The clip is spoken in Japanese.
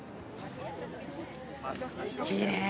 きれい。